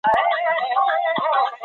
وارد شوي توکي باید تصدیق شوي وي.